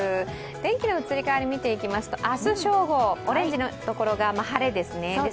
天気の移り変わりを見ていきますと、明日正午、オレンジのところが晴れですね。